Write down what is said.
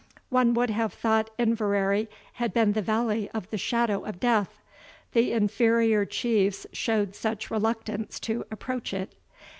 One would have thought Inverary had been the Valley of the Shadow of Death, the inferior chiefs showed such reluctance to approach it.